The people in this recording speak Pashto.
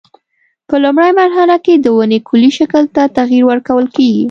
په لومړۍ مرحله کې د ونې کلي شکل ته تغییر ورکول کېږي.